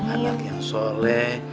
anak yang soleh